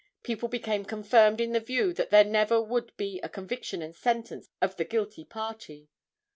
People became confirmed in the view that there never would be a conviction and sentence of the guilty party.